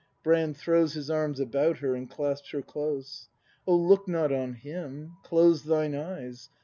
BuANi). \Throv)H kin arms ahoul. her ami cla.tp.s her close. ] O look not on Mini! ('lose thine eyes!